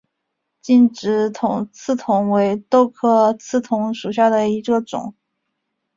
劲直刺桐为豆科刺桐属下的一个种。